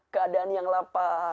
keadaan yang lapar